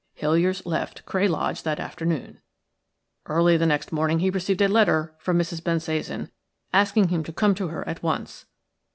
Hiliers left Cray Lodge that afternoon. "Early the next morning he received a letter from Mrs. Bensasan asking him to come to her at once.